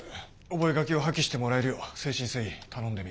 覚書を破棄してもらえるよう誠心誠意頼んでみます。